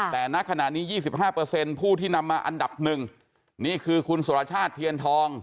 แต่ณขณะนี้๒๕ผู้ที่นำมาอันดับหนึ่งนี่คือคุณสุรชาติเทียนทอง